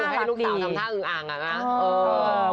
คุณไม่ได้ลูกสาวทำต้ายึ่งอ่างนั้น